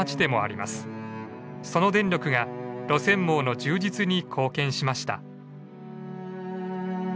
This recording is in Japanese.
その電力が路線網の充実に貢献しました。